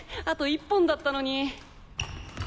あと１本だったのに。